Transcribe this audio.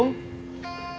masih mau tidur